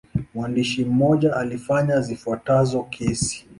Mwandishi mmoja alifanya zifuatazo kesi.